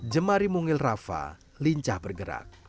jemari mungil rafa lincah bergerak